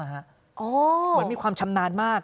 เหมือนมีความชำนาญมาก